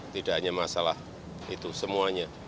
tidak hanya masalah itu semuanya